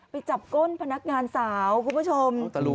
ไปจับก้นพนักงานสาวคุณผู้ชม